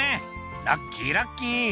「ラッキーラッキー」